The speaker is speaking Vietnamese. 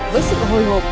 với sự hồi hộp